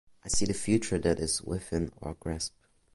I see the future that is within our grasp.